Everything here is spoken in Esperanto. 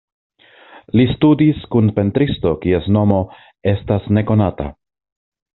Li studis kun pentristo kies nomo estas nekonata.